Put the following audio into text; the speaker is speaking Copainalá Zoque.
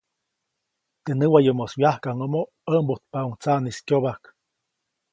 Teʼ näwayomoʼis wyajkaʼŋʼomo ʼäʼmbujtpaʼuŋ tsaʼnis kyobajk.